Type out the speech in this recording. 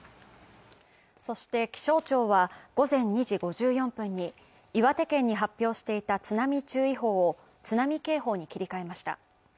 そして、気象庁は午前２時５４分に岩手県に発表していた津波注意報を津波警報に切り替えました。